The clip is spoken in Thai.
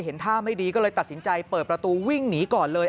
ท่าไม่ดีก็เลยตัดสินใจเปิดประตูวิ่งหนีก่อนเลย